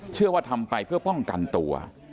เชื่อว่าทำไปเพื่อป้องกันตัว